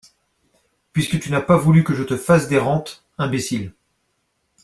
Puisque tu n’as pas voulu que je te fasse des rentes, imbécile !…